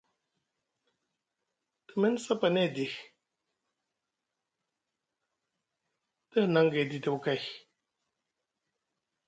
Te mini sapani edi, te hinaŋ gay didiɓi kay.